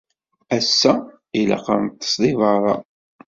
Ass-a, ilaq ad neṭṭes deg beṛṛa.